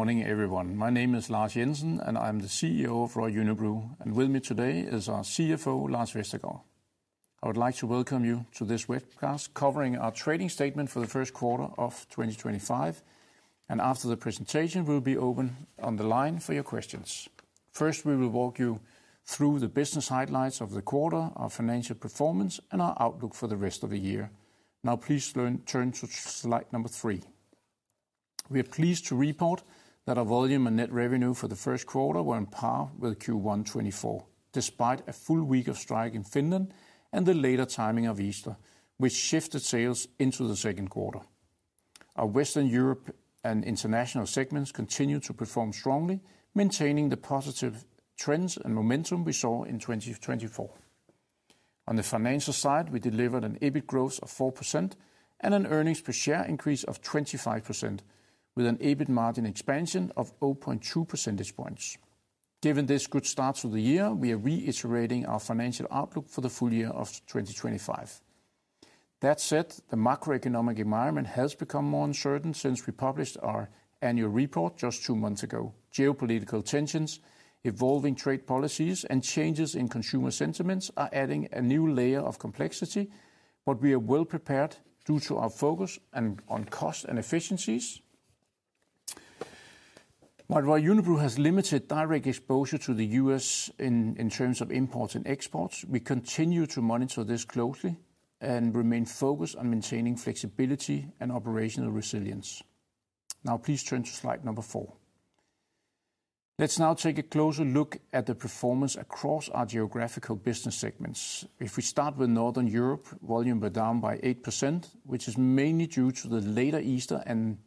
Morning, everyone. My name is Lars Jensen, and I'm the CEO of Royal Unibrew. With me today is our CFO, Lars Vestergaard. I would like to welcome you to this webcast covering our trading statement for the Q1 of 2025. After the presentation, we'll be open on the line for your questions. First, we will walk you through the business highlights of the quarter, our financial performance, and our outlook for the rest of the year. Now, please turn to slide number three. We are pleased to report that our volume and net revenue for the Q1 were on par with Q1-2024, despite a full week of strike in Finland and the later timing of Easter, which shifted sales into the Q2. Our Western Europe and international segments continued to perform strongly, maintaining the positive trends and momentum we saw in 2024. On the financial side, we delivered an EBIT growth of 4% and an earnings per share increase of 25%, with an EBIT margin expansion of 0.2 percentage points. Given this good start to the year, we are reiterating our financial outlook for the full year of 2025. That said, the macroeconomic environment has become more uncertain since we published our annual report just two months ago. Geopolitical tensions, evolving trade policies, and changes in consumer sentiments are adding a new layer of complexity, but we are well prepared due to our focus on cost and efficiencies. While Royal Unibrew has limited direct exposure to the US in terms of imports and exports, we continue to monitor this closely and remain focused on maintaining flexibility and operational resilience. Now, please turn to slide number four. Let's now take a closer look at the performance across our geographical business segments. If we start with Northern Europe, volumes were down by 8%, which is mainly due to the later Easter and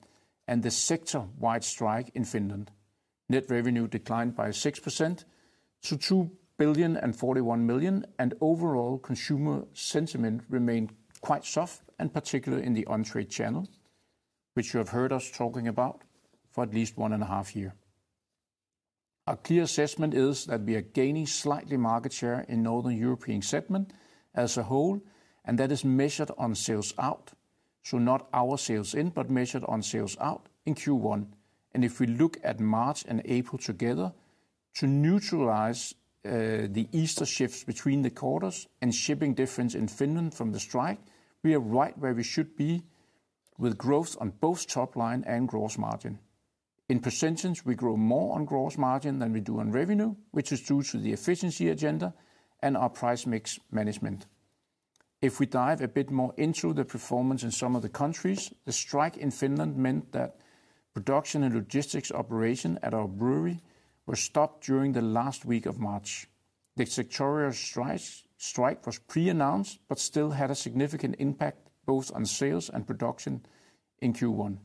the sector-wide strike in Finland. Net revenue declined by 6% to 2 .041 million, and overall consumer sentiment remained quite soft, and particularly in the on-trade channel, which you have heard us talking about for at least one and a half years. Our clear assessment is that we are gaining slightly market share in the Northern European segment as a whole, and that is measured on sales out, so not our sales in, but measured on sales out in Q1. If we look at March and April together, to neutralize the Easter shifts between the quarters and shipping difference in Finland from the strike, we are right where we should be with growth on both top line and gross margin. In percentage, we grow more on gross margin than we do on revenue, which is due to the efficiency agenda and our price mix management. If we dive a bit more into the performance in some of the countries, the strike in Finland meant that production and logistics operation at our brewery were stopped during the last week of March. The sectorial strike was pre-announced, but still had a significant impact both on sales and production in Q1.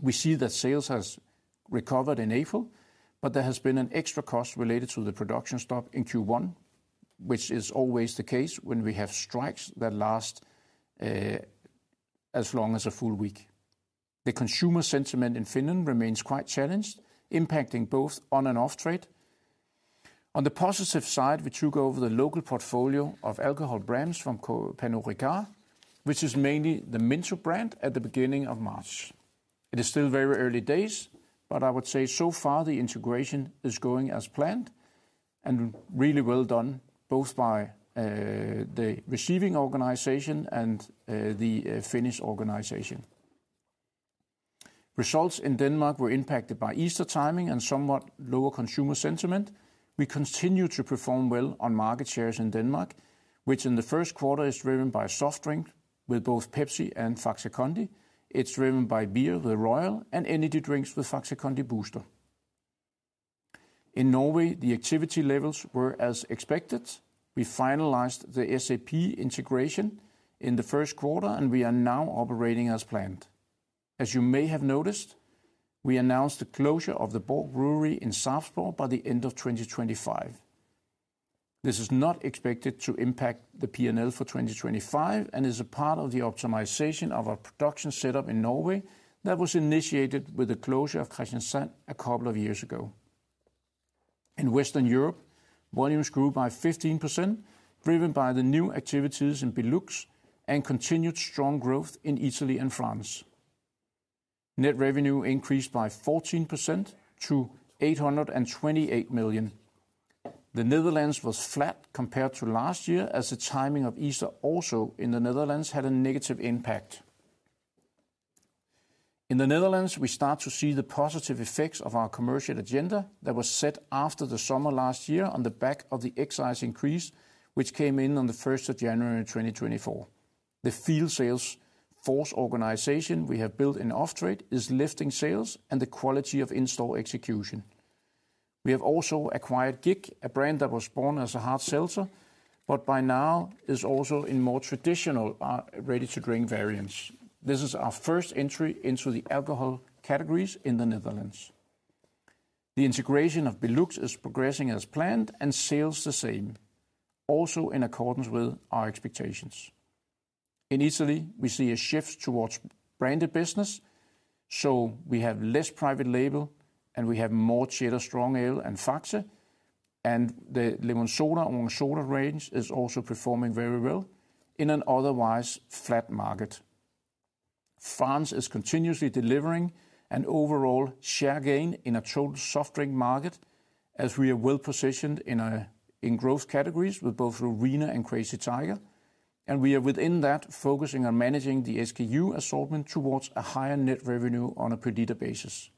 We see that sales have recovered in April, but there has been an extra cost related to the production stop in Q1, which is always the case when we have strikes that last as long as a full week. The consumer sentiment in Finland remains quite challenged, impacting both on and off trade. On the positive side, we took over the local portfolio of alcohol brands from Pernod Ricard, which is mainly the Minttu brand at the beginning of March. It is still very early days, but I would say so far the integration is going as planned and really well done, both by the receiving organization and the Finnish organization. Results in Denmark were impacted by Easter timing and somewhat lower consumer sentiment. We continue to perform well on market shares in Denmark, which in the Q1 is driven by soft drink with both Pepsi and Faxe Kondi. It's driven by beer with Royal and energy drinks with Faxe Kondi Booster. In Norway, the activity levels were as expected. We finalized the SAP integration in the Q1, and we are now operating as planned. As you may have noticed, we announced the closure of the Borg Brewery in Sarpsborg by the end of 2025. This is not expected to impact the P&L for 2025 and is a part of the optimization of our production setup in Norway that was initiated with the closure of Kristiansand a couple of years ago. In Western Europe, volumes grew by 15%, driven by the new activities in Benelux and continued strong growth in Italy and France. Net revenue increased by 14% to 828 million. The Netherlands was flat compared to last year as the timing of Easter also in the Netherlands had a negative impact. In the Netherlands, we start to see the positive effects of our commercial agenda that was set after the summer last year on the back of the excise increase, which came in on the 1st of January 2024. The field sales force organization we have built in off-trade is lifting sales and the quality of in-store execution. We have also acquired GiG, a brand that was born as a hard seltzer, but by now is also in more traditional ready-to-drink variants. This is our first entry into the alcohol categories in the Netherlands. The integration of Benelux is progressing as planned and sales the same, also in accordance with our expectations. In Italy, we see a shift towards branded business, so we have less private label and we have more Ceres Strong Ale and Faxe, and the Lemonsoda and Oransoda range is also performing very well in an otherwise flat market. France is continuously delivering an overall share gain in a total soft drink market as we are well positioned in growth categories with both Lorina and Crazy Tiger, and we are within that focusing on managing the SKU assortment towards a higher net revenue on a per-liter basis,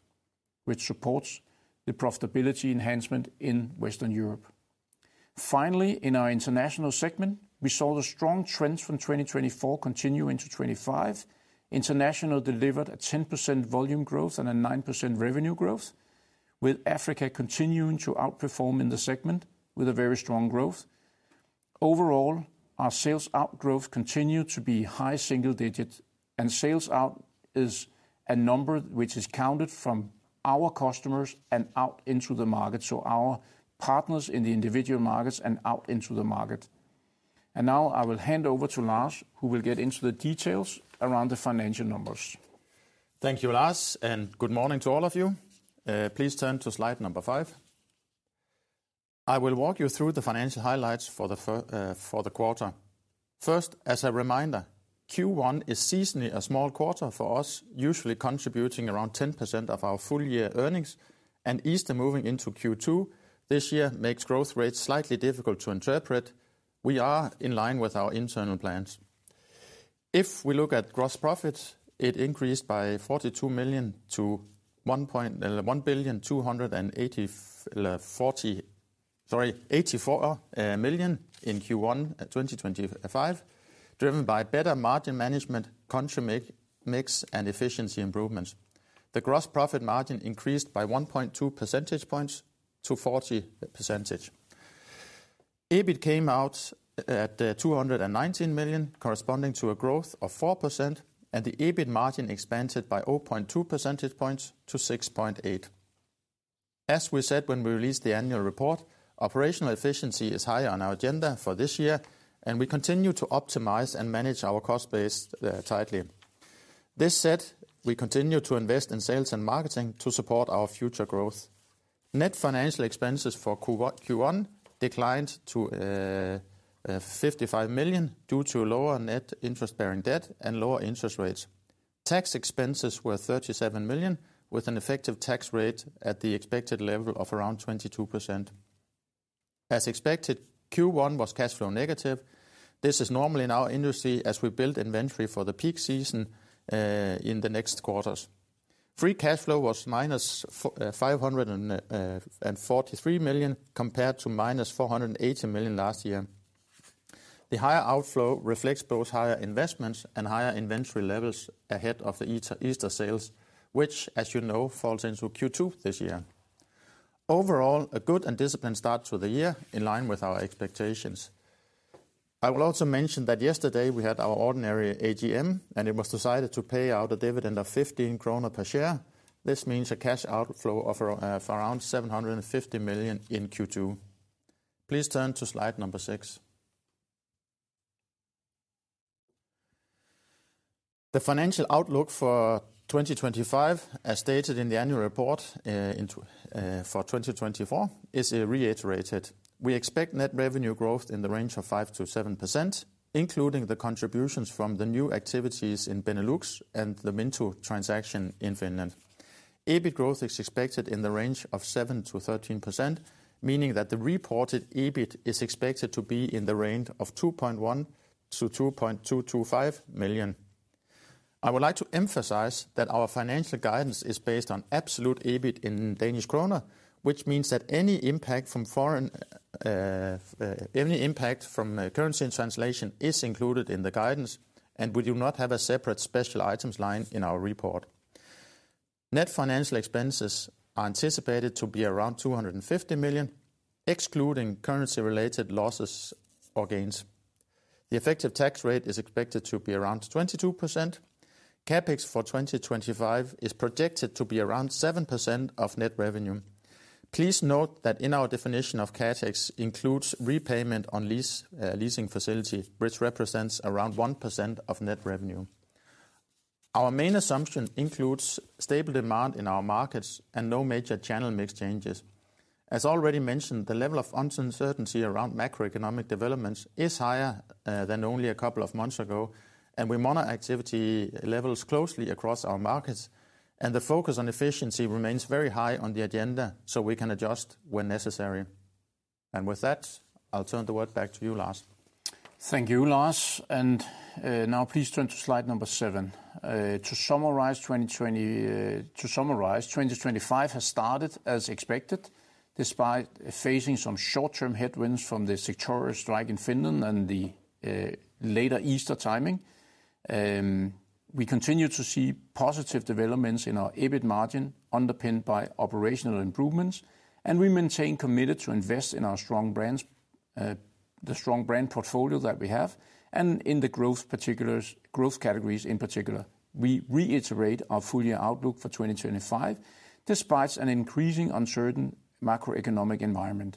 which supports the profitability enhancement in Western Europe. Finally, in our international segment, we saw the strong trends from 2024 continue into 2025. International delivered a 10% volume growth and a 9% revenue growth, with Africa continuing to outperform in the segment with a very strong growth. Overall, our sales out growth continued to be high single digit, and sales out is a number which is counted from our customers and out into the market, so our partners in the individual markets and out into the market. I will now hand over to Lars, who will get into the details around the financial numbers. Thank you, Lars, and good morning to all of you. Please turn to slide number five. I will walk you through the financial highlights for the quarter. First, as a reminder, Q1 is seasonally a small quarter for us, usually contributing around 10% of our full-year earnings, and Easter moving into Q2 this year makes growth rates slightly difficult to interpret. We are in line with our internal plans. If we look at gross profits, it increased by 42 million to 1, 284 million in Q1 2025, driven by better margin management, country mix, and efficiency improvements. The gross profit margin increased by 1.2 percentage points to 40%. EBIT came out at 219 million, corresponding to a growth of 4%, and the EBIT margin expanded by 0.2 percentage points to 6.8%. As we said when we released the annual report, operational efficiency is high on our agenda for this year, and we continue to optimize and manage our cost base tightly. This said, we continue to invest in sales and marketing to support our future growth. Net financial expenses for Q1 declined to 55 million due to lower net interest-bearing debt and lower interest rates. Tax expenses were 37 million, with an effective tax rate at the expected level of around 22%. As expected, Q1 was cash flow negative. This is normal in our industry as we build inventory for the peak season in the next quarters. Free cash flow was -543 million compared to -480 million last year. The higher outflow reflects both higher investments and higher inventory levels ahead of the Easter sales, which, as you know, falls into Q2 this year. Overall, a good and disciplined start to the year in line with our expectations. I will also mention that yesterday we had our ordinary AGM, and it was decided to pay out a dividend of 15 kroner per share. This means a cash outflow of around 750 million in Q2. Please turn to slide number six. The financial outlook for 2025, as stated in the annual report for 2024, is reiterated. We expect net revenue growth in the range of 5%-7%, including the contributions from the new activities in Benelux and the Minto transaction in Finland. EBIT growth is expected in the range of 7%-13%, meaning that the reported EBIT is expected to be in the range of 2.1-2.225 million. I would like to emphasize that our financial guidance is based on absolute EBIT in Danish kroner, which means that any impact from currency and translation is included in the guidance, and we do not have a separate special items line in our report. Net financial expenses are anticipated to be around 250 million, excluding currency-related losses or gains. The effective tax rate is expected to be around 22%. CapEx for 2025 is projected to be around 7% of net revenue. Please note that in our definition of CapEx includes repayment on leasing facility, which represents around 1% of net revenue. Our main assumption includes stable demand in our markets and no major channel mix changes. As already mentioned, the level of uncertainty around macroeconomic developments is higher than only a couple of months ago, and we monitor activity levels closely across our markets, and the focus on efficiency remains very high on the agenda, so we can adjust when necessary. With that, I'll turn the word back to you, Lars. Thank you, Lars. Please turn to slide number seven. To summarize, 2025 has started as expected. Despite facing some short-term headwinds from the sectorial strike in Finland and the later Easter timing, we continue to see positive developments in our EBIT margin underpinned by operational improvements, and we remain committed to invest in our strong brand portfolio that we have and in the growth categories in particular. We reiterate our full-year outlook for 2025 despite an increasingly uncertain macroeconomic environment.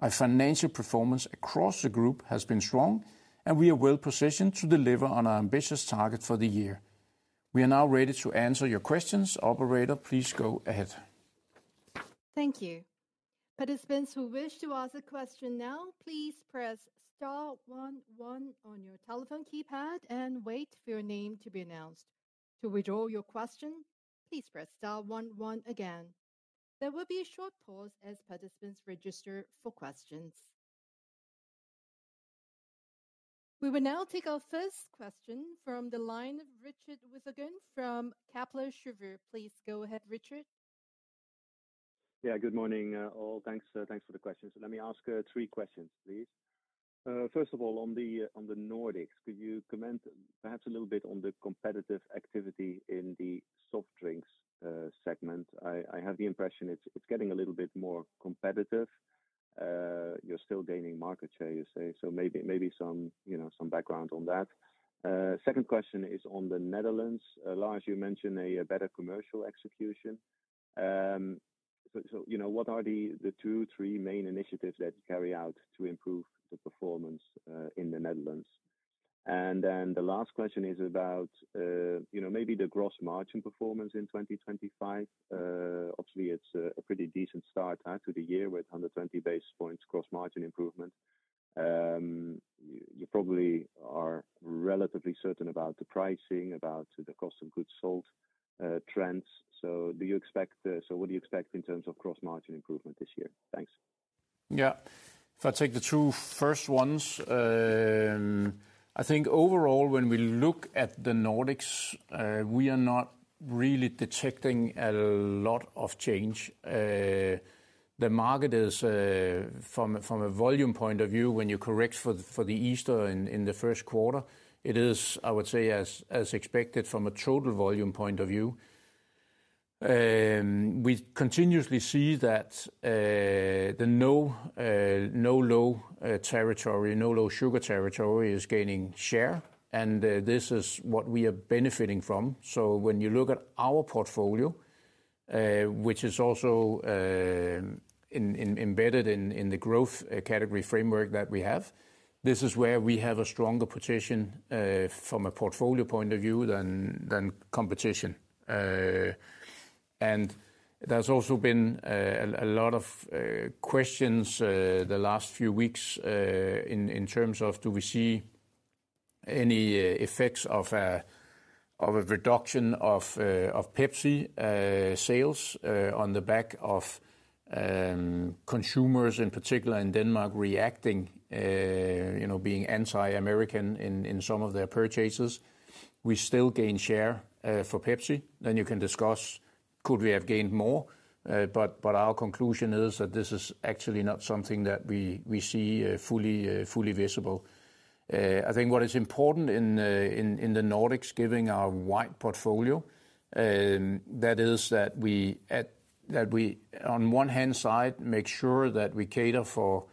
Our financial performance across the group has been strong, and we are well positioned to deliver on our ambitious target for the year. We are now ready to answer your questions. Operator, please go ahead. Thank you. Participants who wish to ask a question now, please press star one one on your telephone keypad and wait for your name to be announced. To withdraw your question, please press star one one again. There will be a short pause as participants register for questions. We will now take our first question from the line of Richard Withagen from Kepler Cheuvreux. Please go ahead, Richard. Yeah, good morning all. Thanks for the question. Let me ask three questions, please. First of all, on the Nordics, could you comment perhaps a little bit on the competitive activity in the soft drinks segment? I have the impression it's getting a little bit more competitive. You're still gaining market share, you say, so maybe some background on that. Second question is on the Netherlands. Lars, you mentioned a better commercial execution. What are the two, three main initiatives that you carry out to improve the performance in the Netherlands? The last question is about maybe the gross margin performance in 2025. Obviously, it's a pretty decent start to the year with 120 basis points gross margin improvement. You probably are relatively certain about the pricing, about the cost of goods sold trends. What do you expect in terms of gross margin improvement this year? Thanks. Yeah, if I take the two first ones, I think overall, when we look at the Nordics, we are not really detecting a lot of change. The market is, from a volume point of view, when you correct for the Easter in the Q1, it is, I would say, as expected from a total volume point of view. We continuously see that the no/low territory, no/low sugar territory is gaining share, and this is what we are benefiting from. When you look at our portfolio, which is also embedded in the growth category framework that we have, this is where we have a stronger position from a portfolio point of view than competition. There have also been a lot of questions the last few weeks in terms of do we see any effects of a reduction of Pepsi sales on the back of consumers, in particular in Denmark, reacting, being anti-American in some of their purchases. We still gain share for Pepsi. You can discuss, could we have gained more? Our conclusion is that this is actually not something that we see fully visible. I think what is important in the Nordics, given our wide portfolio, is that we, on one hand side, make sure that we cater for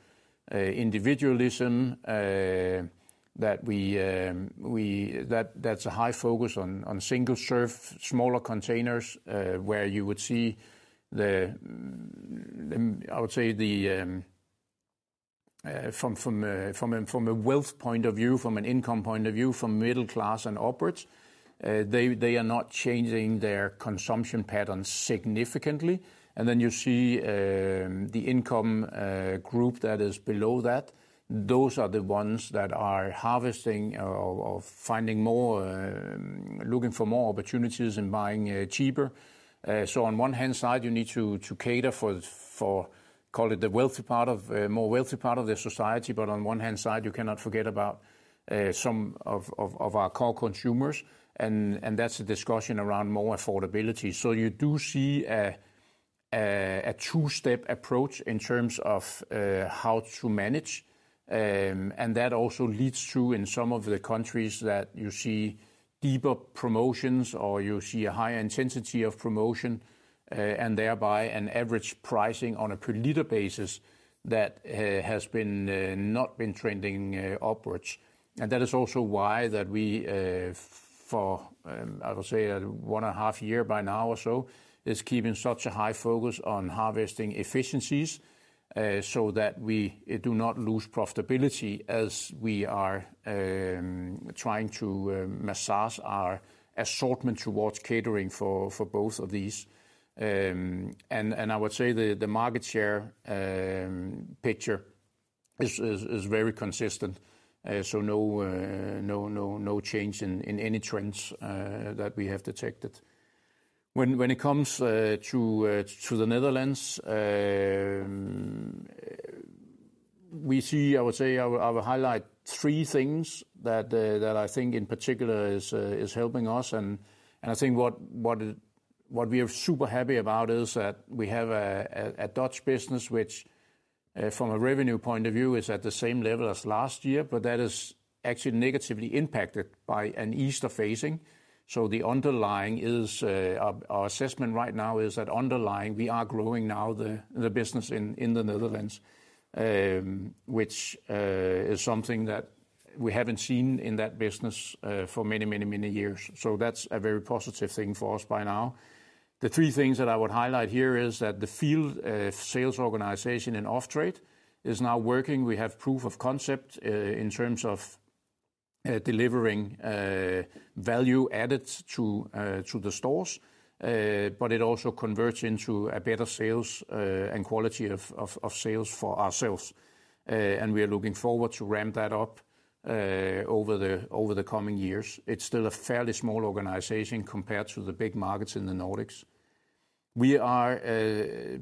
individualism, that there is a high focus on single serve, smaller containers, where you would see, I would say, from a wealth point of view, from an income point of view, from middle class and upwards, they are not changing their consumption patterns significantly. You see the income group that is below that. Those are the ones that are harvesting or finding more, looking for more opportunities and buying cheaper. On one hand side, you need to cater for, call it the wealthy part of, more wealthy part of the society, but on one hand side, you cannot forget about some of our core consumers, and that is a discussion around more affordability. You do see a two-step approach in terms of how to manage, and that also leads to, in some of the countries, you see deeper promotions or you see a higher intensity of promotion and thereby an average pricing on a per-liter basis that has not been trending upwards. That is also why that we, for, I would say, one and a half year by now or so, is keeping such a high focus on harvesting efficiencies so that we do not lose profitability as we are trying to massage our assortment towards catering for both of these. I would say the market share picture is very consistent, so no change in any trends that we have detected. When it comes to the Netherlands, we see, I would say, I will highlight three things that I think in particular is helping us, and I think what we are super happy about is that we have a Dutch business which, from a revenue point of view, is at the same level as last year, but that is actually negatively impacted by an Easter phasing. The underlying is, our assessment right now is that underlying we are growing now the business in the Netherlands, which is something that we have not seen in that business for many, many, many years. That is a very positive thing for us by now. The three things that I would highlight here is that the field sales organization in off-trade is now working. We have proof of concept in terms of delivering value added to the stores, but it also converts into a better sales and quality of sales for ourselves. We are looking forward to ramp that up over the coming years. It is still a fairly small organization compared to the big markets in the Nordics.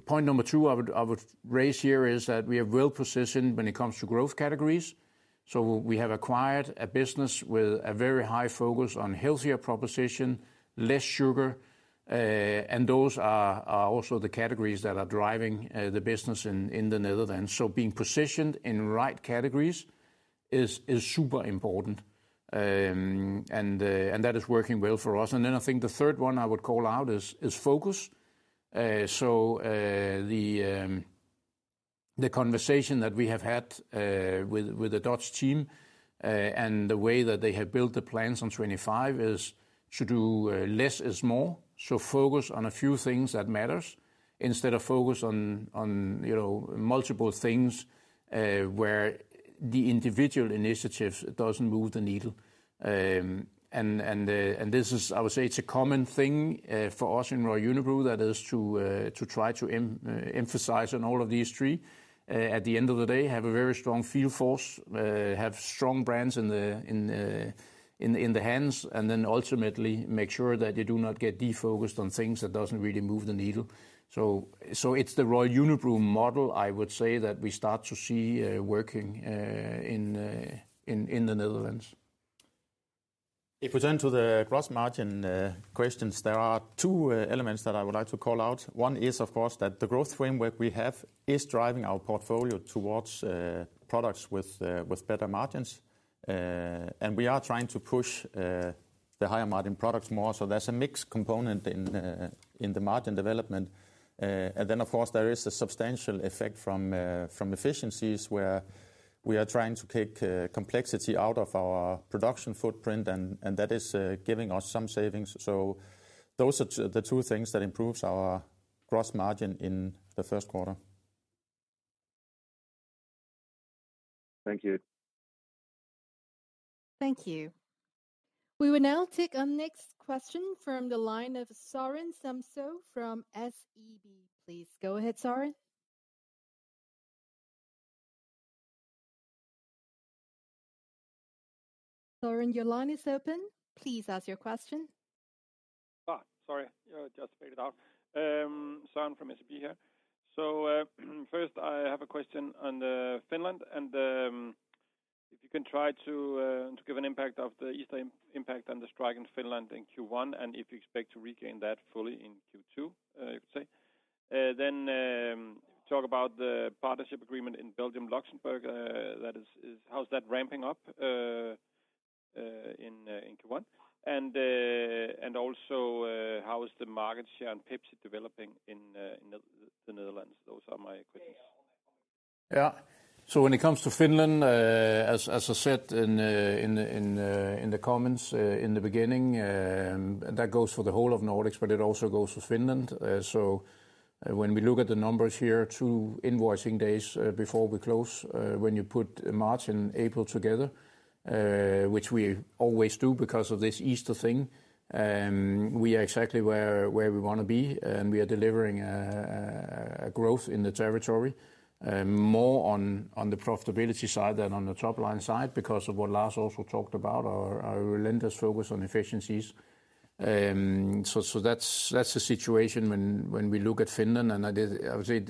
Point number two I would raise here is that we are well positioned when it comes to growth categories. We have acquired a business with a very high focus on healthier proposition, less sugar, and those are also the categories that are driving the business in the Netherlands. Being positioned in right categories is super important, and that is working well for us. I think the third one I would call out is focus. The conversation that we have had with the Dutch team and the way that they have built the plans on 2025 is to do less is more. Focus on a few things that matters instead of focus on multiple things where the individual initiatives does not move the needle. This is, I would say, a common thing for us in Royal Unibrew that is to try to emphasize on all of these three. At the end of the day, have a very strong field force, have strong brands in the hands, and then ultimately make sure that you do not get defocused on things that do not really move the needle. It is the Royal Unibrew model, I would say, that we start to see working in the Netherlands. If we turn to the gross margin questions, there are two elements that I would like to call out. One is, of course, that the growth framework we have is driving our portfolio towards products with better margins, and we are trying to push the higher margin products more. There is a mix component in the margin development. There is also a substantial effect from efficiencies where we are trying to kick complexity out of our production footprint, and that is giving us some savings. Those are the two things that improve our gross margin in the Q1. Thank you. Thank you. We will now take our next question from the line of Søren Samsøe from SEB. Please go ahead, Soren. Soren, your line is open. Please ask your question. Sorry, just made it out. Søren from SEB here. First, I have a question on Finland. If you can try to give an impact of the Easter impact on the strike in Finland in Q1, and if you expect to regain that fully in Q2, you could say? Talk about the partnership agreement in Belgium, Luxembourg. How's that ramping up in Q1? Also, how is the market share on Pepsi developing in the Netherlands? Those are my questions. Yeah. When it comes to Finland, as I said in the comments in the beginning, that goes for the whole of Nordics, but it also goes for Finland. When we look at the numbers here, two invoicing days before we close, when you put March and April together, which we always do because of this Easter thing, we are exactly where we want to be, and we are delivering a growth in the territory, more on the profitability side than on the top line side because of what Lars also talked about, our relentless focus on efficiencies. That is the situation when we look at Finland. I would say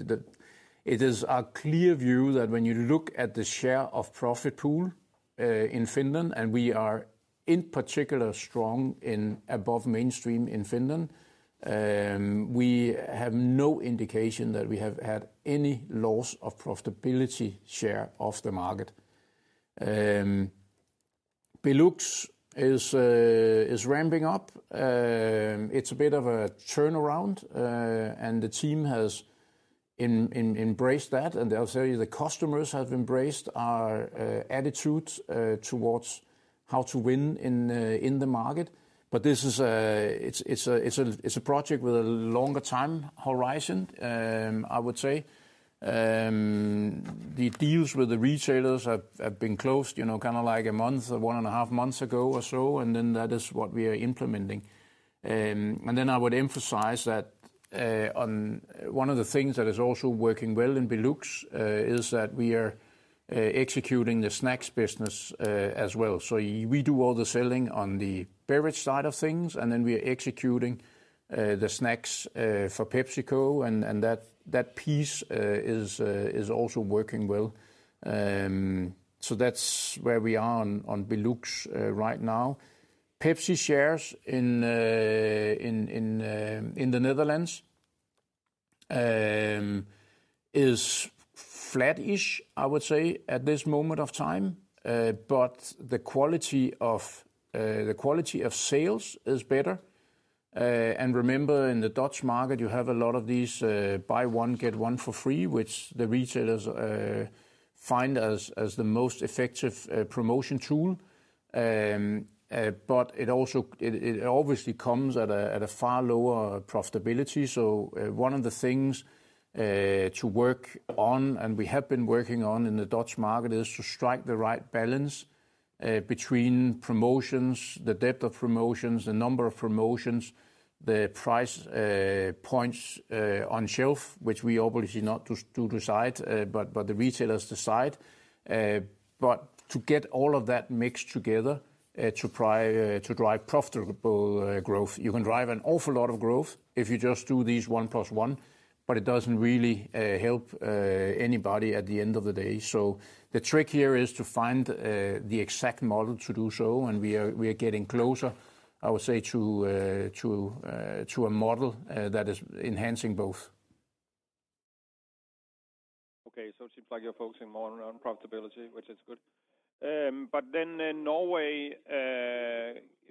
it is a clear view that when you look at the share of profit pool in Finland, and we are in particular strong in above-mainstream in Finland, we have no indication that we have had any loss of profitability share of the market. Belux is ramping up. It is a bit of a turnaround, and the team has embraced that, and I will tell you the customers have embraced our attitude towards how to win in the market. This is a project with a longer time horizon, I would say. The deals with the retailers have been closed kind of like a month, one and a half months ago or so, and that is what we are implementing. I would emphasize that one of the things that is also working well in Belux is that we are executing the snacks business as well. We do all the selling on the beverage side of things, and then we are executing the snacks for PepsiCo, and that piece is also working well. That is where we are on Benelux right now. Pepsi shares in the Netherlands is flat-ish, I would say, at this moment of time, but the quality of sales is better. Remember, in the Dutch market, you have a lot of these buy one, get one for free, which the retailers find as the most effective promotion tool. It obviously comes at a far lower profitability. One of the things to work on, and we have been working on in the Dutch market, is to strike the right balance between promotions, the depth of promotions, the number of promotions, the price points on shelf, which we obviously do not decide, but the retailers decide. To get all of that mixed together to drive profitable growth, you can drive an awful lot of growth if you just do these one plus one, but it doesn't really help anybody at the end of the day. The trick here is to find the exact model to do so, and we are getting closer, I would say, to a model that is enhancing both. Okay, it seems like you're focusing more on profitability, which is good. If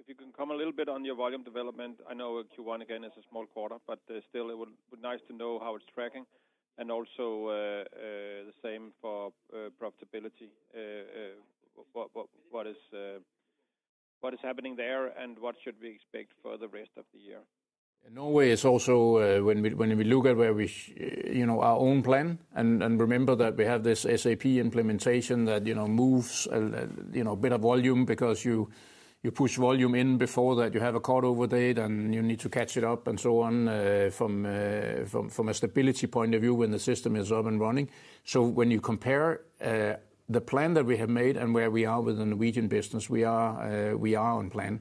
you can comment a little bit on your volume development in Norway, I know Q1 again is a small quarter, but still it would be nice to know how it's tracking. Also, the same for profitability. What is happening there and what should we expect for the rest of the year? Norway is also, when we look at our own plan, and remember that we have this SAP implementation that moves a bit of volume because you push volume in before that you have a cutover date and you need to catch it up and so on from a stability point of view when the system is up and running. When you compare the plan that we have made and where we are with the Norwegian business, we are on plan.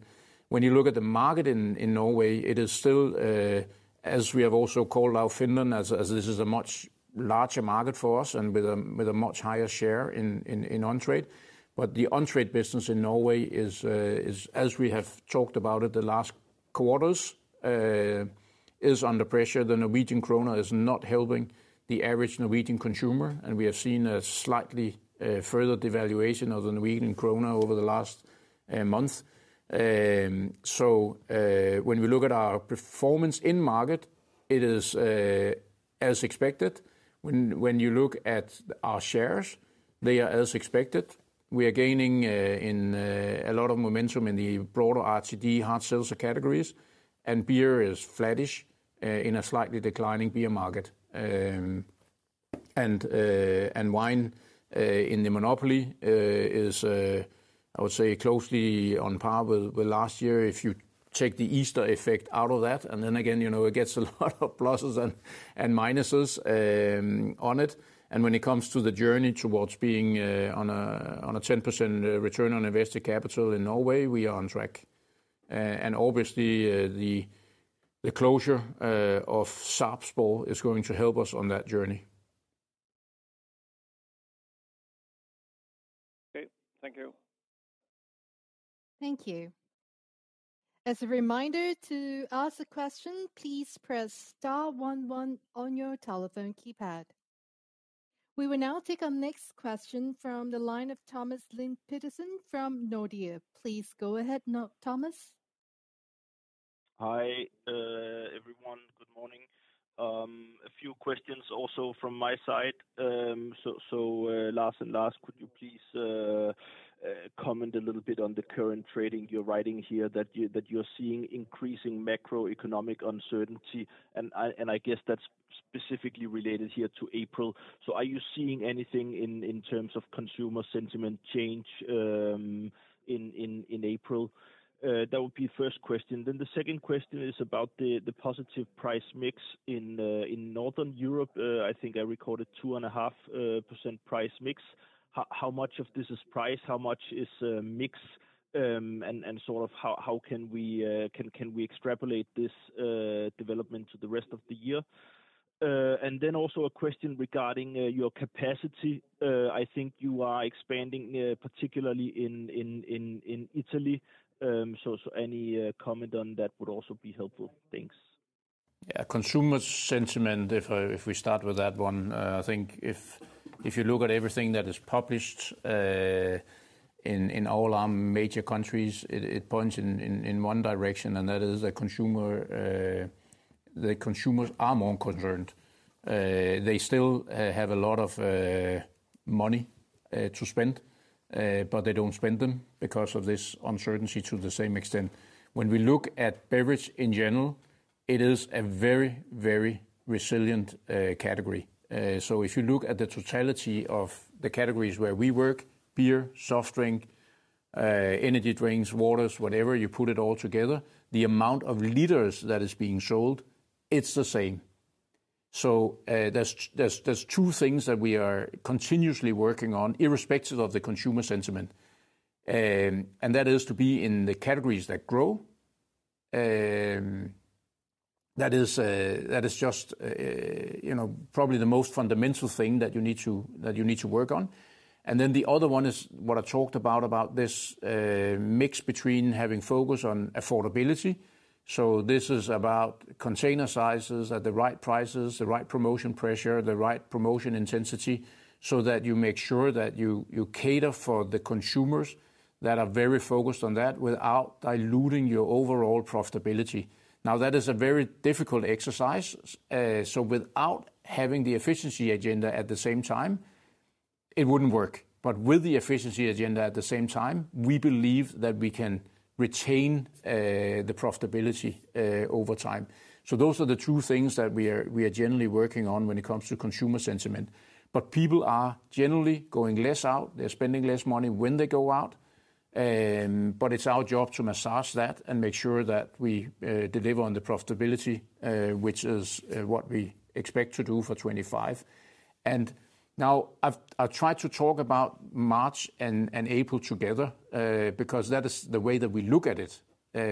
When you look at the market in Norway, it is still, as we have also called out Finland, as this is a much larger market for us and with a much higher share in on-trade. The on-trade business in Norway is, as we have talked about it the last quarters, is under pressure. The Norwegian krone is not helping the average Norwegian consumer, and we have seen a slightly further devaluation of the Norwegian krone over the last month. When we look at our performance in market, it is as expected. When you look at our shares, they are as expected. We are gaining a lot of momentum in the broader RTD hard sales categories, and beer is flattish in a slightly declining beer market. Wine in the monopoly is, I would say, closely on par with last year if you take the Easter effect out of that. It gets a lot of pluses and minuses on it. When it comes to the journey towards being on a 10% return on invested capital in Norway, we are on track. Obviously, the closure of Sarpsborg is going to help us on that journey. Okay, thank you. Thank you. As a reminder to ask a question, please press star one one on your telephone keypad. We will now take our next question from the line of Thomas Lind Petersen from Nordea. Please go ahead, Thomas. Hi, everyone. Good morning. A few questions also from my side. Lars and last, could you please comment a little bit on the current trading? You're writing here that you're seeing increasing macroeconomic uncertainty. I guess that's specifically related here to April. Are you seeing anything in terms of consumer sentiment change in April? That would be the first question. The second question is about the positive price mix in Northern Europe. I think I recorded 2.5% price mix. How much of this is price? How much is mix? How can we extrapolate this development to the rest of the year? Also, a question regarding your capacity. I think you are expanding particularly in Italy. Any comment on that would also be helpful. Thanks. Yeah, consumer sentiment, if we start with that one, I think if you look at everything that is published in all our major countries, it points in one direction, and that is the consumers are more concerned. They still have a lot of money to spend, but they don't spend them because of this uncertainty to the same extent. When we look at beverage in general, it is a very, very resilient category. If you look at the totality of the categories where we work, beer, soft drink, energy drinks, waters, whatever, you put it all together, the amount of liters that is being sold, it's the same. There are two things that we are continuously working on irrespective of the consumer sentiment. That is to be in the categories that grow. That is just probably the most fundamental thing that you need to work on. The other one is what I talked about, about this mix between having focus on affordability. This is about container sizes at the right prices, the right promotion pressure, the right promotion intensity so that you make sure that you cater for the consumers that are very focused on that without diluting your overall profitability. That is a very difficult exercise. Without having the efficiency agenda at the same time, it would not work. With the efficiency agenda at the same time, we believe that we can retain the profitability over time. Those are the two things that we are generally working on when it comes to consumer sentiment. But people are generally going less out. They are spending less money when they go out. It is our job to massage that and make sure that we deliver on the profitability, which is what we expect to do for 2025. And now, I have tried to talk about March and April together because that is the way that we look at it,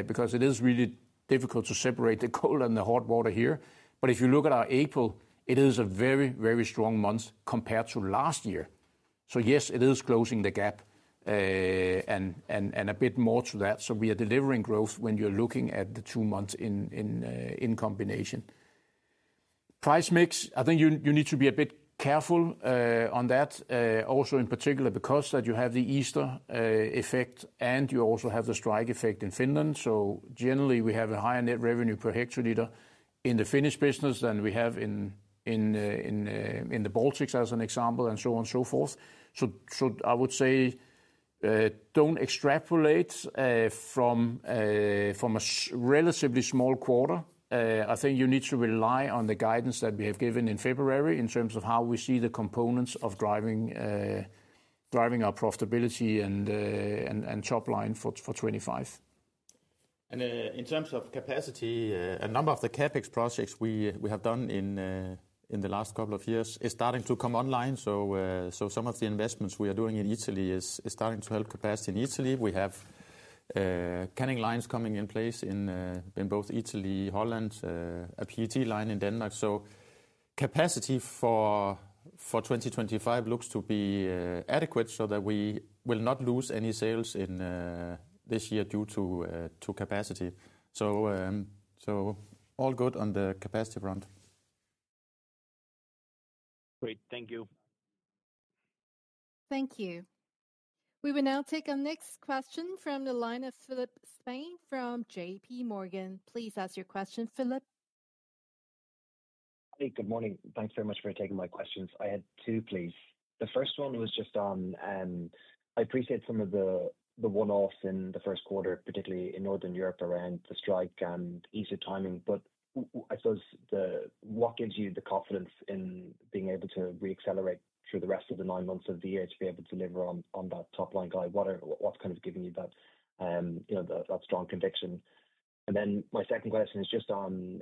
because it is really difficult to separate the cold and the hot water here. If you look at our April, it is a very, very strong month compared to last year. Yes, it is closing the gap and a bit more to that. We are delivering growth when you are looking at the two months in combination. Price mix, I think you need to be a bit careful on that, also in particular because you have the Easter effect and you also have the strike effect in Finland. Generally, we have a higher net revenue per hectoliter in the Finnish business than we have in the Baltics as an example and so on and so forth. I would say, don't extrapolate from a relatively small quarter. I think you need to rely on the guidance that we have given in February in terms of how we see the components of driving our profitability and top line for 2025. In terms of capacity, a number of the CapEx projects we have done in the last couple of years is starting to come online. Some of the investments we are doing in Italy is starting to help capacity in Italy. We have canning lines coming in place in both Italy, Holland, a PET line in Denmark. Capacity for 2025 looks to be adequate so that we will not lose any sales this year due to capacity. All good on the capacity front. Great, thank you. Thank you. We will now take our next question from the line of Philip Spain from JPMorgan. Please ask your question, Philip. Hey, good morning. Thanks very much for taking my questions. I had two, please. The first one was just on I appreciate some of the one-offs in the Q1, particularly in Northern Europe around the strike and Easter timing. I suppose what gives you the confidence in being able to reaccelerate through the rest of the nine months of the year to be able to deliver on that top line guide? What's kind of giving you that strong conviction? And then, my second question is just on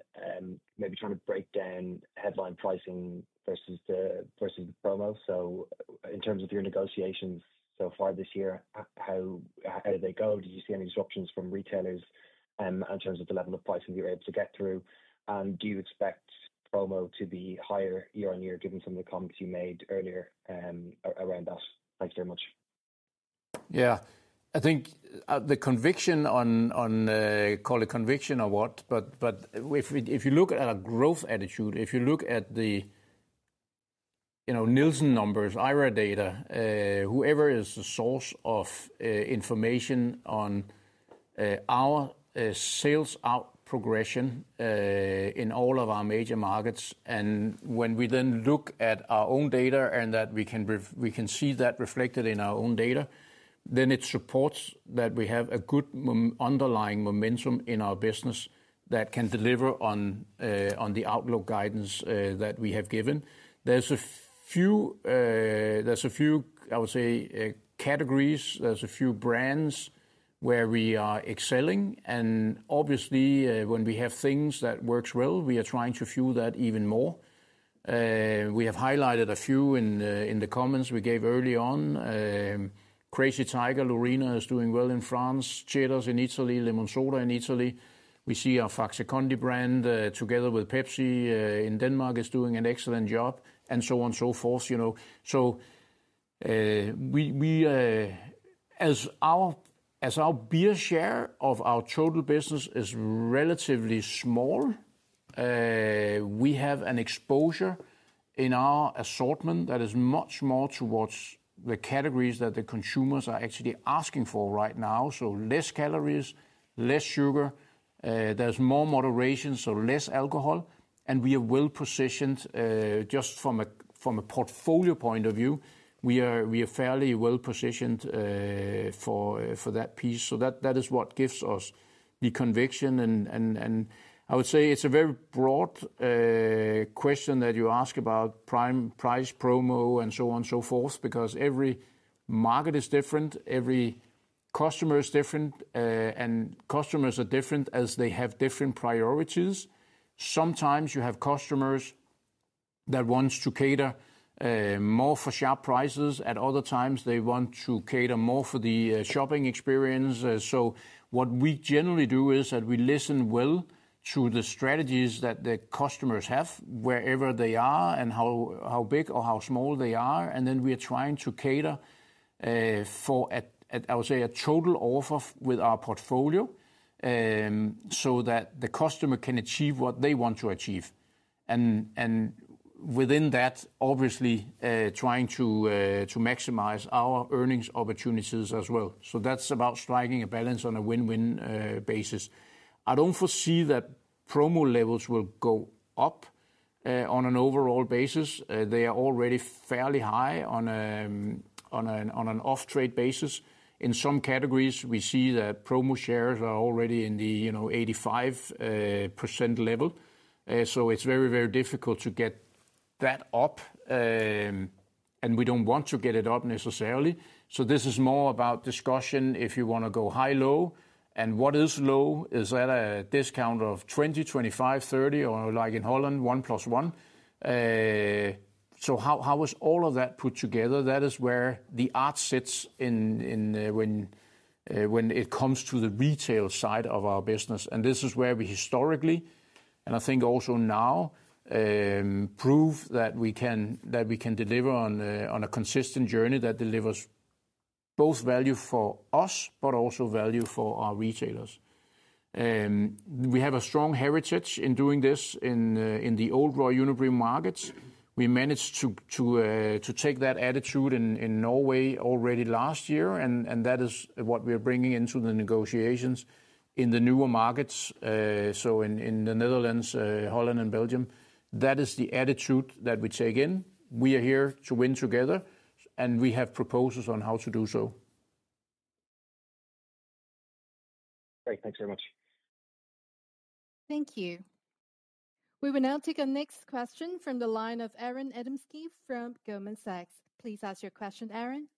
maybe trying to break down headline pricing versus the promo. In terms of your negotiations so far this year, how did they go? Did you see any disruptions from retailers in terms of the level of pricing you're able to get through? And do you expect promo to be higher year on year given some of the comments you made earlier around us? Thanks very much. Yeah, I think the conviction on, call it conviction or what, but if you look at our growth attitude, if you look at the Nielsen numbers, IRi data, whoever is the source of information on our sales out progression in all of our major markets. When we then look at our own data and that we can see that reflected in our own data, then it supports that we have a good underlying momentum in our business that can deliver on the outlook guidance that we have given. There are a few, I would say, categories. There are a few brands where we are excelling. And obviously, when we have things that work well, we are trying to fuel that even more. We have highlighted a few in the comments we gave early on. Crazy Tiger, Lorina is doing well in France, Ceres in Italy, Lemonsoda in Italy. We see our Faxe Kondi brand together with Pepsi in Denmark is doing an excellent job and so on and so forth. As our beer share of our total business is relatively small, we have an exposure in our assortment that is much more towards the categories that the consumers are actually asking for right now. Less calories, less sugar. There is more moderation, so less alcohol. We are well positioned just from a portfolio point of view. We are fairly well positioned for that piece. That is what gives us the conviction. I would say it is a very broad question that you ask about price, promo, and so on and so forth because every market is different. Every customer is different, and customers are different as they have different priorities. Sometimes you have customers that want to cater more for sharp prices. At other times, they want to cater more for the shopping experience. What we generally do is that we listen well to the strategies that the customers have wherever they are and how big or how small they are. And then we are trying to cater for, I would say, a total offer with our portfolio so that the customer can achieve what they want to achieve. Within that, obviously, trying to maximize our earnings opportunities as well. That is about striking a balance on a win-win basis. I do not foresee that promo levels will go up on an overall basis. They are already fairly high on an off-trade basis. In some categories, we see that promo shares are already in the 85% level. It is very, very difficult to get that up. We do not want to get it up necessarily. This is more about discussion if you want to go high, low. And what is low? Is that a discount of 20%, 25%, 30%, or like in Holland, one plus one? How is all of that put together? That is where the art sits when it comes to the retail side of our business. This is where we historically, and I think also now, prove that we can deliver on a consistent journey that delivers both value for us, but also value for our retailers. We have a strong heritage in doing this in the old Royal Unibrew markets. We managed to take that attitude in Norway already last year. That is what we are bringing into the negotiations in the newer markets. In the Netherlands, Holland, and Belgium, that is the attitude that we take in. We are here to win together, and we have proposals on how to do so. Great, thanks very much. Thank you. We will now take our next question from the line of Aaron Adamski from Goldman Sachs. Please ask your question, Aaron.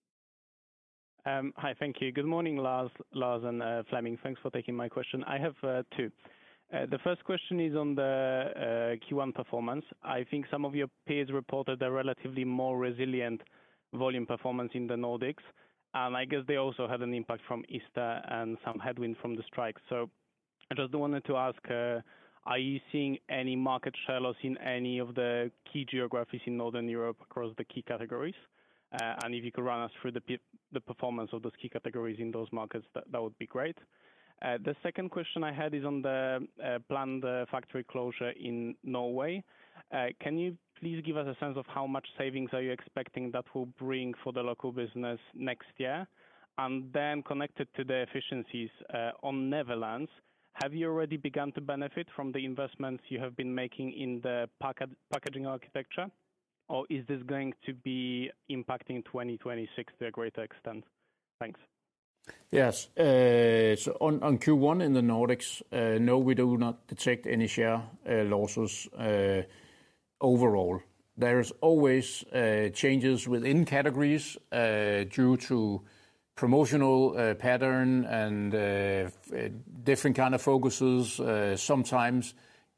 Hi, thank you. Good morning, Lars and Fleming. Thanks for taking my question. I have two. The first question is on the Q1 performance. I think some of your peers reported a relatively more resilient volume performance in the Nordics. I guess they also had an impact from Easter and some headwind from the strike. I just wanted to ask, are you seeing any market shallows in any of the key geographies in Northern Europe across the key categories? If you could run us through the performance of those key categories in those markets, that would be great. The second question I had is on the planned factory closure in Norway. Can you please give us a sense of how much savings are you expecting that will bring for the local business next year? Connected to the efficiencies on Netherlands, have you already begun to benefit from the investments you have been making in the packaging architecture? Or is this going to be impacting 2026 to a greater extent? Thanks. Yes, so on Q1 in the Nordics, no, we do not detect any share losses overall. There's always changes within categories due to promotional pattern and different kinds of focuses. Sometimes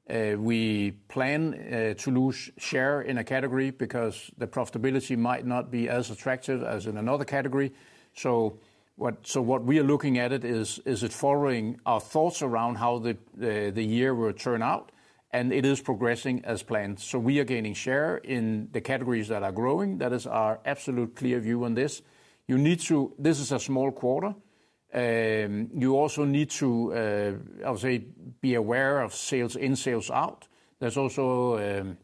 we plan to lose share in a category because the profitability might not be as attractive as in another category. What we are looking at is it following our thoughts around how the year will turn out, and it is progressing as planned. We are gaining share in the categories that are growing. That is our absolute clear view on this. This is a small quarter. You also need to, I would say, be aware of sales in, sales out. That's also,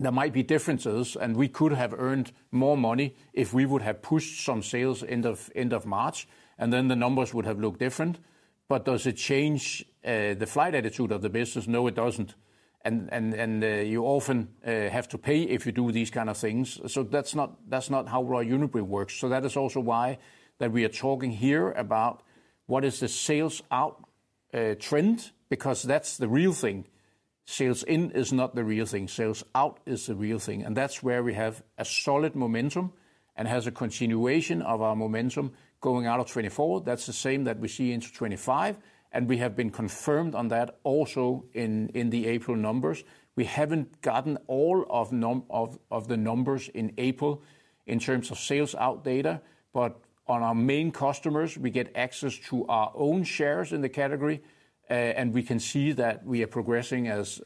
there might be differences, and we could have earned more money if we would have pushed some sales end of March, and then the numbers would have looked different. But does it change the flight attitude of the business? No, it doesn't. You often have to pay if you do these kinds of things. That is not how Royal Unibrew works. That is also why we are talking here about what is the sales out trend, because that's the real thing. Sales in is not the real thing. Sales out is the real thing. That is where we have a solid momentum and have a continuation of our momentum going out of 2024. That is the same that we see into 2025. We have been confirmed on that also in the April numbers. We haven't gotten all of the numbers in April in terms of sales out data, but on our main customers, we get access to our own shares in the category, and we can see that we are progressing as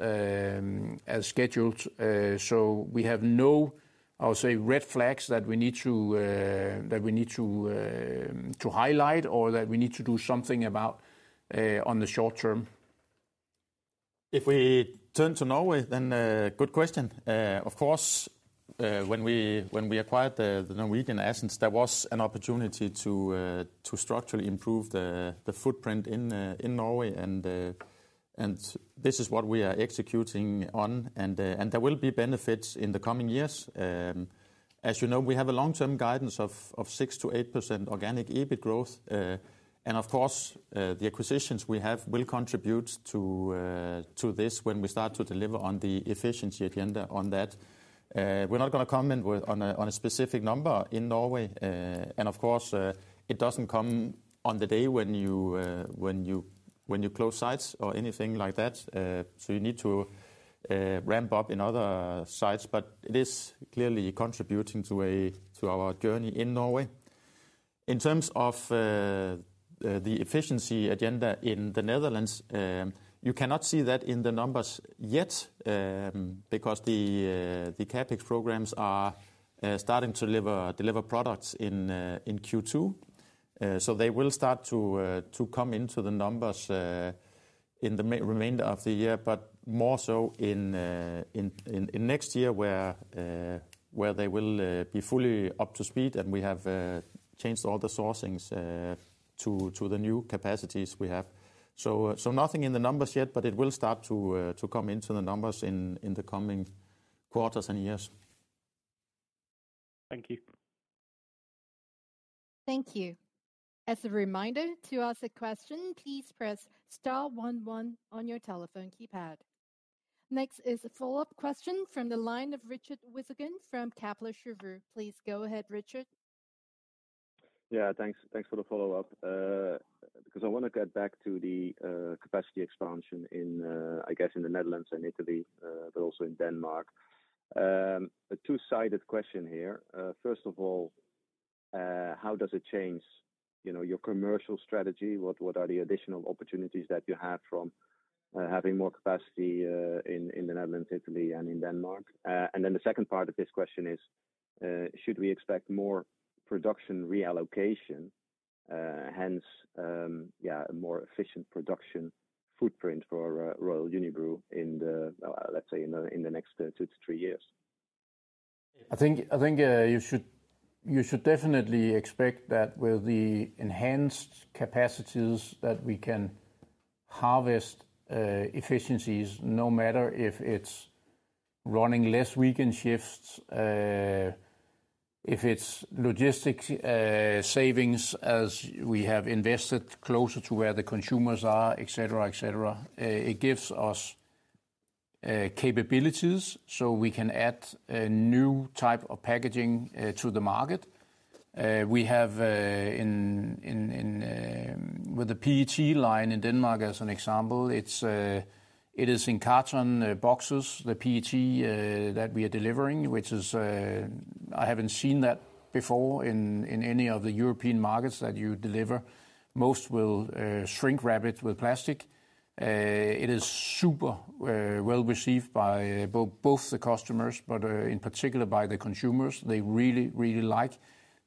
scheduled. We have no, I would say, red flags that we need to highlight or that we need to do something about on the short term. If we turn to Norway, good question. Of course, when we acquired the Norwegian Essence, there was an opportunity to structurally improve the footprint in Norway. This is what we are executing on, and there will be benefits in the coming years. As you know, we have a long-term guidance of 6-8% organic EBIT growth. Of course, the acquisitions we have will contribute to this when we start to deliver on the efficiency agenda on that. We are not going to comment on a specific number in Norway. Of course, it does not come on the day when you close sites or anything like that. You need to ramp up in other sites, but it is clearly contributing to our journey in Norway. In terms of the efficiency agenda in the Netherlands, you cannot see that in the numbers yet because the CapEx programs are starting to deliver products in Q2. They will start to come into the numbers in the remainder of the year, but more so in next year where they will be fully up to speed. We have changed all the sourcings to the new capacities we have. Nothing in the numbers yet, but it will start to come into the numbers in the coming quarters and years. Thank you. Thank you. As a reminder, to ask a question, please press star one one on your telephone keypad. Next is a follow-up question from the line of Richard Withagen from Kepler Cheuvreux. Please go ahead, Richard. Yeah, thanks for the follow-up because I want to get back to the capacity expansion, I guess, in the Netherlands and Italy, but also in Denmark. A two-sided question here. First of all, how does it change your commercial strategy? What are the additional opportunities that you have from having more capacity in the Netherlands, Italy, and in Denmark? The second part of this question is, should we expect more production reallocation, hence, yeah, a more efficient production footprint for Royal Unibrew in, let's say, in the next two to three years? I think you should definitely expect that with the enhanced capacities that we can harvest efficiencies, no matter if it's running less weekend shifts, if it's logistics savings as we have invested closer to where the consumers are, et cetera, et cetera. It gives us capabilities so we can add a new type of packaging to the market. We have with the PET line in Denmark, as an example, it is in carton boxes, the PET that we are delivering, which is I haven't seen that before in any of the European markets that you deliver. Most will shrink wrap it with plastic. It is super well received by both the customers, but in particular by the consumers. They really, really like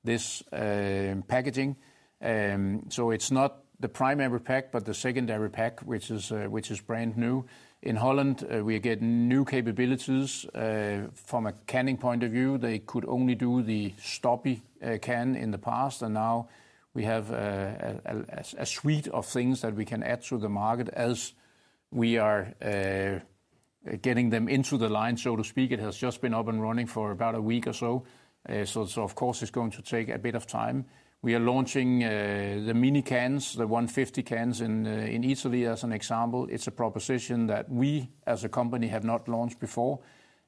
this packaging. It is not the primary pack, but the secondary pack, which is brand new. In the Netherlands, we are getting new capabilities from a canning point of view. They could only do the stubby can in the past. Now we have a suite of things that we can add to the market as we are getting them into the line, so to speak. It has just been up and running for about a week or so. Of course, it's going to take a bit of time. We are launching the mini cans, the 150 cans in Italy, as an example. It's a proposition that we, as a company, have not launched before.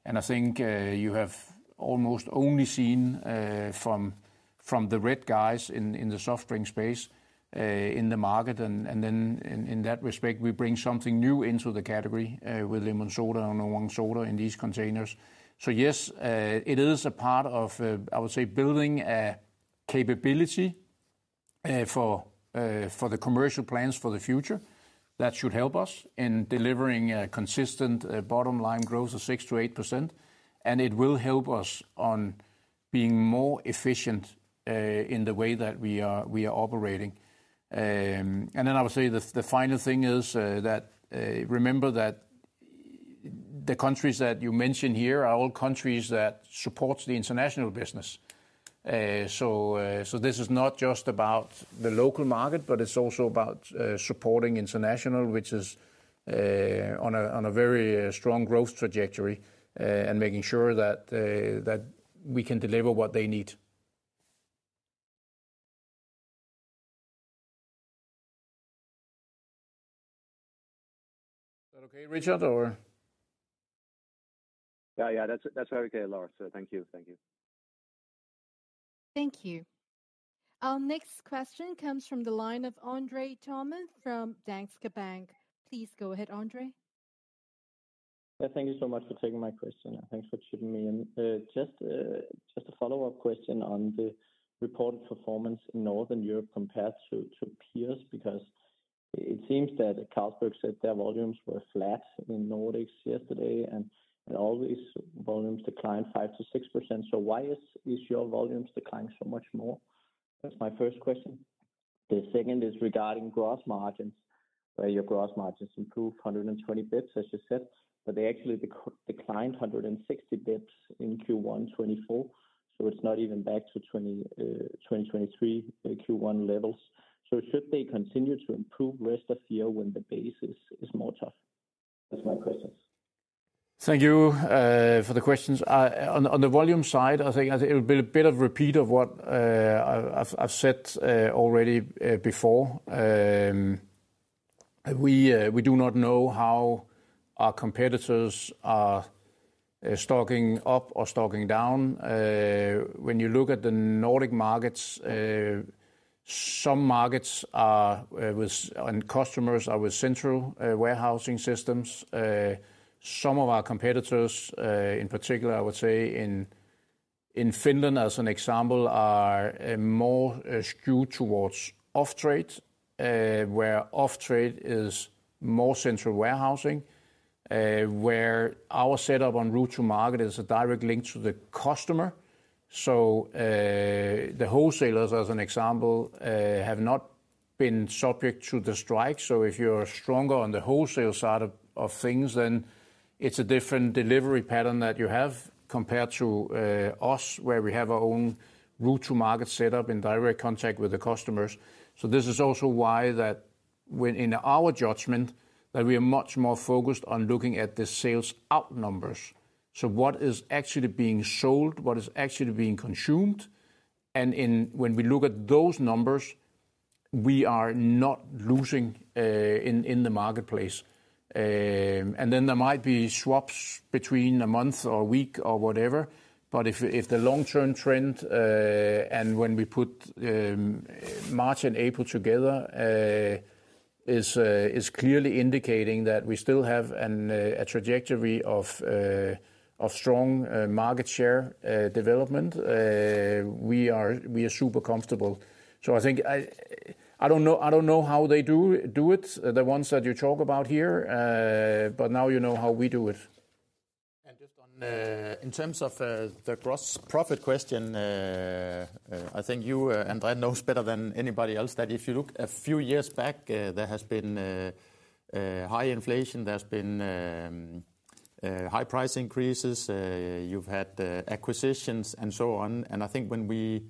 I think you have almost only seen from the red guys in the soft drink space in the market. In that respect, we bring something new into the category with Lemonsoda an Oransoda in these containers. Yes, it is a part of, I would say, building a capability for the commercial plans for the future that should help us in delivering a consistent bottom line growth of 6-8%. It will help us on being more efficient in the way that we are operating. I would say the final thing is that remember that the countries that you mentioned here are all countries that support the international business. This is not just about the local market, but it's also about supporting international, which is on a very strong growth trajectory and making sure that we can deliver what they need. Is that okay, Richard, or? Yeah, yeah, that's very clear, Lars. Thank you, thank you. Thank you. Our next question comes from the line of André Thormann from Danske Bank. Please go ahead, André. Thank you so much for taking my question. Thanks for chatting with me. Just a follow-up question on the reported performance in Northern Europe compared to peers because it seems that Carlsberg said their volumes were flat in Nordics yesterday, and all these volumes declined 5%-6%. Why is your volumes declining so much more? That's my first question. The second is regarding gross margins, where your gross margins improved 120 basis points, as you said, but they actually declined 160 basis points in Q1 2024. It's not even back to 2023 Q1 levels. Should they continue to improve rest of year when the base is more tough? That's my question. Thank you for the questions. On the volume side, I think it will be a bit of a repeat of what I've said already before. We do not know how our competitors are stocking up or stocking down. When you look at the Nordic markets, some markets and customers are with central warehousing systems. Some of our competitors, in particular, I would say in Finland, as an example, are more skewed towards off-trade, where off-trade is more central warehousing, where our setup on route to market is a direct link to the customer. The wholesalers, as an example, have not been subject to the strike. If you're stronger on the wholesale side of things, then it's a different delivery pattern that you have compared to us, where we have our own route to market setup in direct contact with the customers. This is also why, in our judgment, we are much more focused on looking at the sales out numbers. What is actually being sold, what is actually being consumed. When we look at those numbers, we are not losing in the marketplace. There might be swaps between a month or a week or whatever, but if the long-term trend, and when we put March and April together, is clearly indicating that we still have a trajectory of strong market share development, we are super comfortable. I think I do not know how they do it, the ones that you talk about here, but now you know how we do it. In terms of the gross profit question, I think you, Andrei, know better than anybody else that if you look a few years back, there has been high inflation, there have been high price increases, you have had acquisitions and so on. I think when we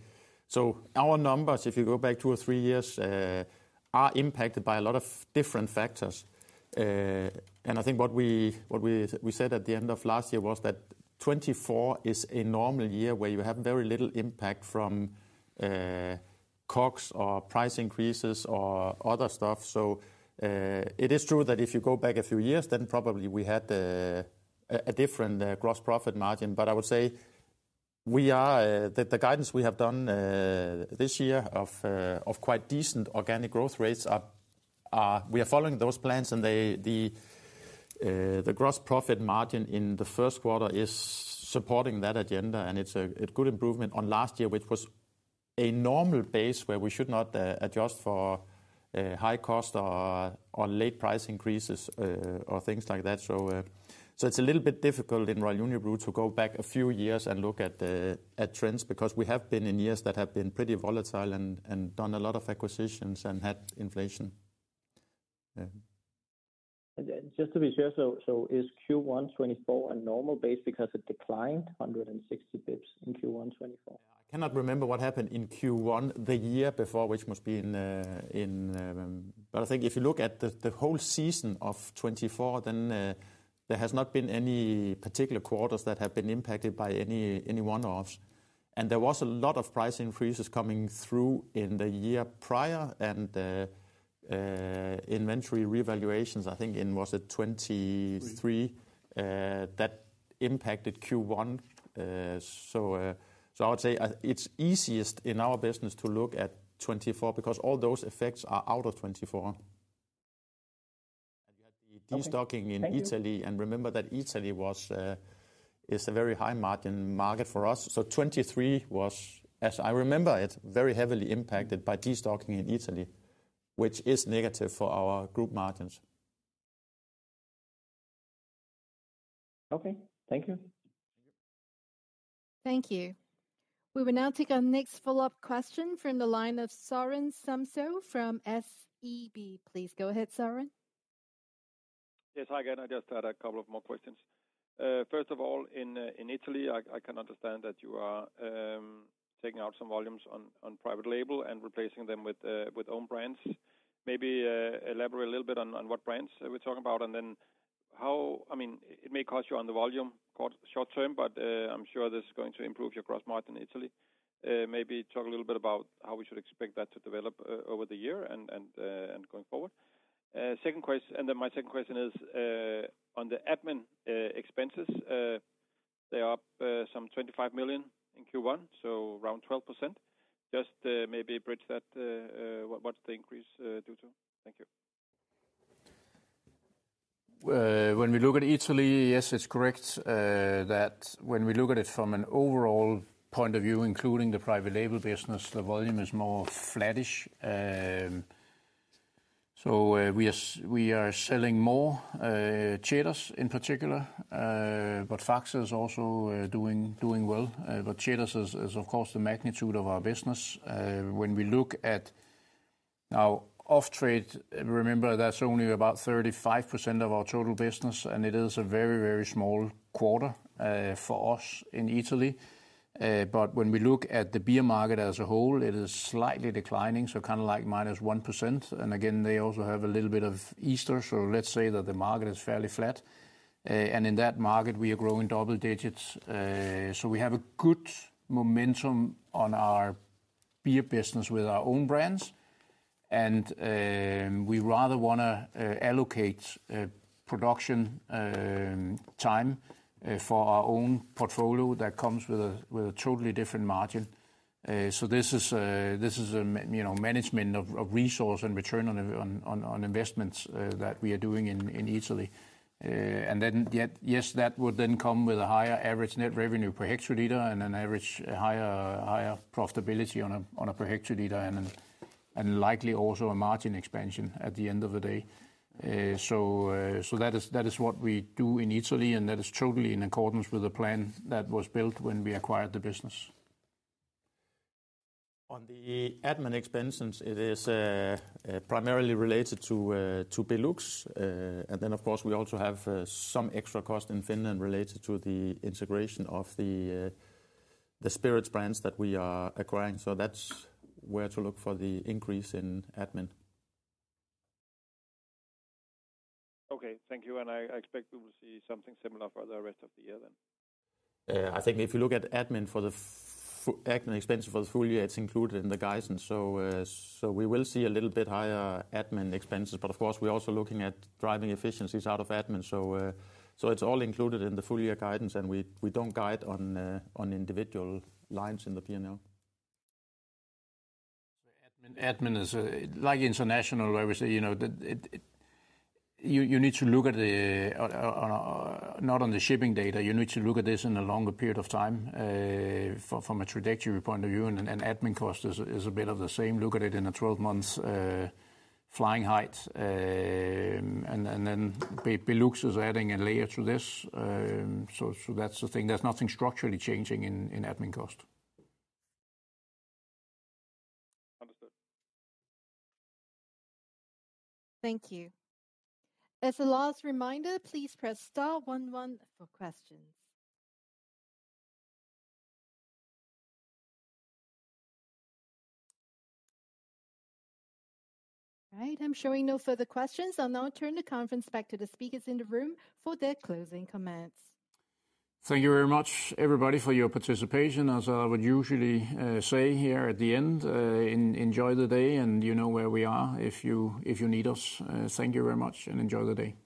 see our numbers, if you go back two or three years, they are impacted by a lot of different factors. I think what we said at the end of last year was that 2024 is a normal year where you have very little impact from COGS or price increases or other stuff. It is true that if you go back a few years, then probably we had a different gross profit margin. I would say the guidance we have done this year of quite decent organic growth rates, we are following those plans and the gross profit margin in the Q1 is supporting that agenda. It is a good improvement on last year, which was a normal base where we should not adjust for high cost or late price increases or things like that. It is a little bit difficult in Royal Unibrew to go back a few years and look at trends because we have been in years that have been pretty volatile and done a lot of acquisitions and had inflation. Just to be sure, is Q1 2024 a normal base because it declined 160 basis points in Q1 2024? I cannot remember what happened in Q1 the year before, which must be in, but I think if you look at the whole season of 2024, then there has not been any particular quarters that have been impacted by any one-offs. There was a lot of price increases coming through in the year prior and inventory revaluations, I think in, was it 2023, that impacted Q1. I would say it's easiest in our business to look at 2024 because all those effects are out of 2024. You had the destocking in Italy and remember that Italy is a very high margin market for us. 2023 was, as I remember it, very heavily impacted by destocking in Italy, which is negative for our group margins. Okay, thank you. Thank you. We will now take our next follow-up question from the line of Sørin Samsøe from SEB. Please go ahead, Sorin. Yes, hi again. I just had a couple of more questions. First of all, in Italy, I can understand that you are taking out some volumes on private label and replacing them with own brands. Maybe elaborate a little bit on what brands we're talking about and then how, I mean, it may cost you on the volume short term, but I'm sure this is going to improve your gross margin in Italy. Maybe talk a little bit about how we should expect that to develop over the year and going forward. My second question is on the admin expenses. They are up some 25 million in Q1, so around 12%. Just maybe bridge that. What's the increase due to? Thank you. When we look at Italy, yes, it's correct that when we look at it from an overall point of view, including the private label business, the volume is more flattish. We are selling more Ceres in particular, but Faxe is also doing well. Ceres is, of course, the magnitude of our business. When we look at now off-trade, remember that's only about 35% of our total business, and it is a very, very small quarter for us in Italy. When we look at the beer market as a whole, it is slightly declining, kind of like minus 1%. They also have a little bit of Easter. Let's say that the market is fairly flat. In that market, we are growing double digits. We have a good momentum on our beer business with our own brands. We rather want to allocate production time for our own portfolio that comes with a totally different margin. This is a management of resource and return on investments that we are doing in Italy. Yes, that would then come with a higher average net revenue per hectoliter and an average higher profitability on a per hectoliter and likely also a margin expansion at the end of the day. That is what we do in Italy, and that is totally in accordance with the plan that was built when we acquired the business. On the admin expenses, it is primarily related to Benelux. Of course, we also have some extra cost in Finland related to the integration of the spirits brands that we are acquiring. That is where to look for the increase in admin. Okay, thank you. I expect we will see something similar for the rest of the year then. I think if you look at admin for the admin expenses for the full year, it's included in the guidance. We will see a little bit higher admin expenses, but of course, we're also looking at driving efficiencies out of admin. It's all included in the full year guidance, and we don't guide on individual lines in the P&L. Admin is like international, where we say you need to look at the not on the shipping data. You need to look at this in a longer period of time from a trajectory point of view. Admin cost is a bit of the same. Look at it in a 12-month flying height. Belux is adding a layer to this. That is the thing. There is nothing structurally changing in admin cost. Understood. Thank you. As a last reminder, please press star one one for questions. All right, I'm showing no further questions. I'll now turn the conference back to the speakers in the room for their closing comments. Thank you very much, everybody, for your participation. As I would usually say here at the end, enjoy the day and you know where we are if you need us. Thank you very much and enjoy the day.